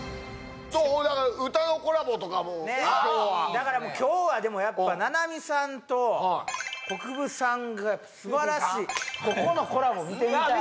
だからもう今日はでもやっぱｎａｎａｍｉさんとこくぶさんがすばらしいここのコラボ見てみたい